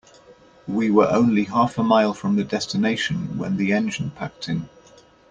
We were only half a mile from the destination when the engine packed in.